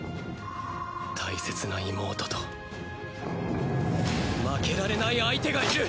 大切な妹と負けられない相手がいる！